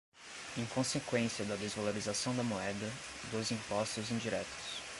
em consequência da desvalorização da moeda, dos impostos indiretos